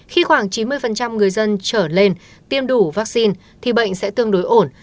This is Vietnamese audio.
khi khoảng chín mươi người dân trở lên tiêm đủ vaccine thì bệnh sẽ tương đối ổn